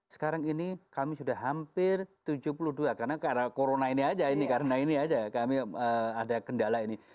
sekarang ini kami sudah hampir tujuh puluh dua karena corona ini aja ini karena ini aja kami ada kendala ini